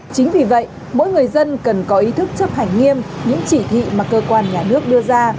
chính vì vậy mỗi người dân cần có ý thức chấp hành nghiêm những chỉ thị mà cơ quan nhà nước đưa ra